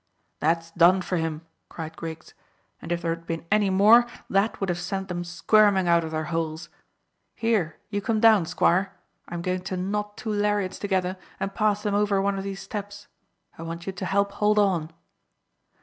"That's done for him," cried Griggs, "and if there had been any more that would have sent them squirming out of their holes. Here, you come down, squire. I'm going to knot two lariats together and pass them over one of these steps. I want you to help hold on."